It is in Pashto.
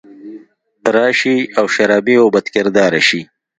راشي او شرابي او بدکرداره شي